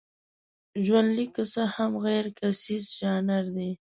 ژوندلیک که څه هم غیرکیسیز ژانر دی.